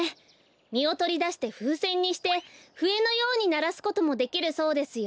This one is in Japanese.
みをとりだしてふうせんにしてふえのようにならすこともできるそうですよ。